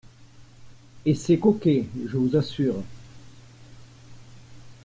Et c’est coquet, je vous assure.